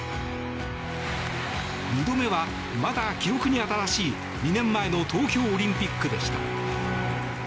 ２度目は、まだ記憶に新しい２年前の東京オリンピックでした。